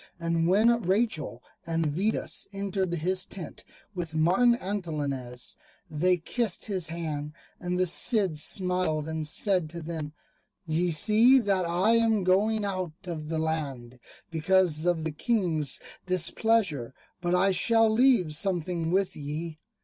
And when Rachel and Vidas entered his tent with Martin Antolinez, they kissed his hand; and the Cid smiled and said to them, "Ye see that I am going out of the land, because of the King's displeasure; but I shall leave something with ye."